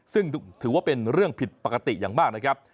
ซึ่งถือว่าเป็นเรื่องผิดปกติอย่างมากนะครับ